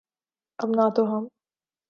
اب نہ تو ہم